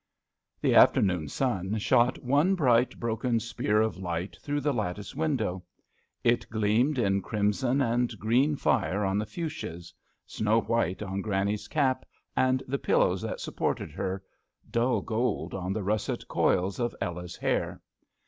sjHE afternoon san shot ^ one bright, broken spear "^ of light! through the lattice window. It gleamed in crimson and green fire on the fuchsias; snow white on Granny's cap and the pillows that sup ported her; dull gold on the msset coils of Ella's hair.